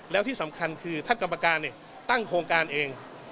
แล้วที่สำคัญคือท่านกรรมการตั้งโครงการเอง